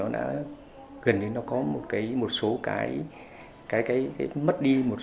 đã gần như có một số mất